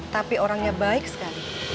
tapi orangnya baik sekali